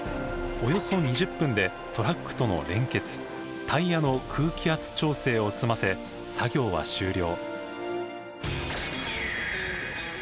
およそ２０分でトラックとの連結タイヤの空気圧調整を済ませ作業は終了。